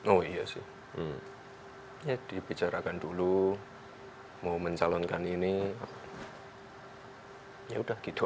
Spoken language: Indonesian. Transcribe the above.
oh iya sih ya dibicarakan dulu mau mencalonkan ini ya udah gitu